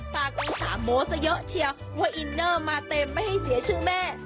ฝากอุตสามโมซะเยอะเชียวว่าอินเนอร์มาเต็มไม่ให้เสียชื่อแม่